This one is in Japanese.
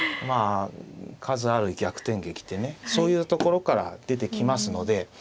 まあ数ある逆転劇ってねそういうところから出てきますので。